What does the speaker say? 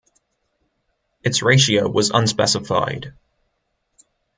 Its ratio was unspecified.